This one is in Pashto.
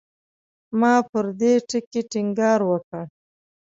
ما پر دې ټکي ټینګار وکړ.